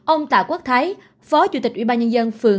ông tạ quốc thái phó chủ tịch ubnd